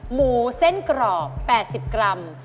หมูเส้นกรอบ๘๐กรัม